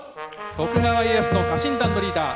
徳川家康の家臣団のリーダー